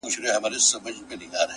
ها د ښكلا شاپېرۍ هغه د سكون سهزادگۍ،